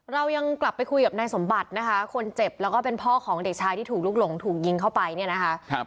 เรายังกลับไปคุยกับนายสมบัตินะคะคนเจ็บแล้วก็เป็นพ่อของเด็กชายที่ถูกลุกหลงถูกยิงเข้าไปเนี่ยนะคะ